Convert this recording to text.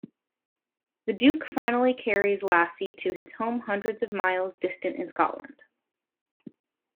The Duke finally carries Lassie to his home hundreds of miles distant in Scotland.